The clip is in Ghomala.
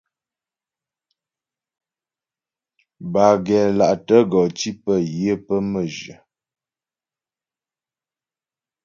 Bâ gɛ́la'tə gɔ tí pə yə á mə́jyə.